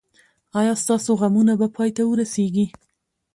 ایا ستاسو غمونه به پای ته ورسیږي؟